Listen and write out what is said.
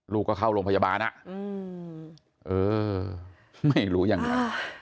ลูกก็เข้าโรงพยาบาลไม่รู้อย่างนั้น